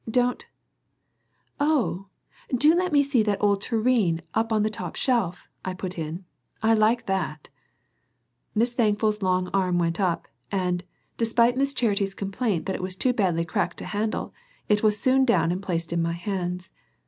Don't " "Oh, do let me see that old tureen up on the top shelf," I put in. "I like that." Miss Thankful's long arm went up, and, despite Miss Charity's complaint that it was too badly cracked to handle, it was soon down and placed in my hands.